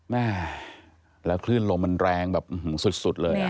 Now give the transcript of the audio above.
แม่แล้วคลื่นลมมันแรงแบบสุดเลย